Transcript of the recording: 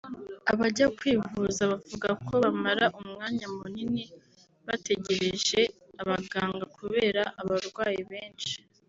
Abajya kwivuza bavuga ko bamara umwanya munini bategereje abaganga kubera abarwayi benshi